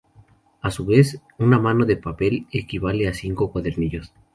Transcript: A su vez, una mano de papel equivale a cinco cuadernillos.